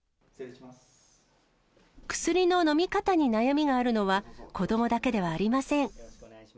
薬の飲み方に悩みがあるのは、子どもだけではありません。